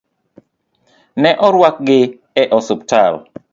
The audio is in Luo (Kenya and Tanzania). Ne orwakgi e osiptal.